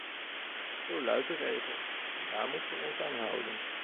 Zo luidt de regel, en daar moeten we ons aan houden.